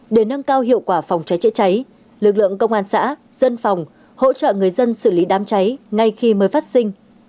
để nâng cao hiệu quả phòng cháy chữa cháy lực lượng công an xã dân phòng hỗ trợ người dân xử lý đám cháy ngay khi mới phát sinh